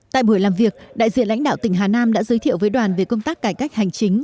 tại buổi làm việc đại diện lãnh đạo tỉnh hà nam đã giới thiệu với đoàn về công tác cải cách hành chính